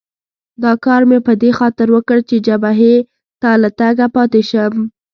دا کار مې په دې خاطر وکړ چې جبهې ته له تګه پاتې شم.